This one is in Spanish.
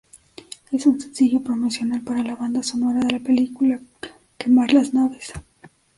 Es un sencillo promocional para la banda sonora de la película "Quemar Las Naves".